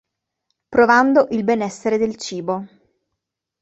Provando il benessere del cibo.